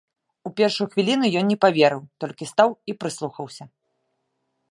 У першую хвіліну ён не паверыў, толькі стаў і прыслухаўся.